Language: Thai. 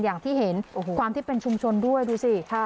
อย่างที่เห็นความที่เป็นชุมชนด้วยดูสิ